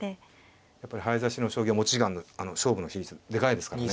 やっぱり早指しの将棋は持ち時間の勝負の比率でかいですからね。